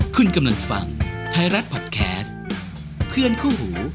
คุณกำลังฟังไทยรัฐพอดแคสต์เพื่อนคู่หู